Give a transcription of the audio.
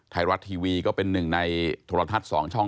ไทยรัฐทีวีก็เป็นหนึ่งในโทรทัศน์๒ช่อง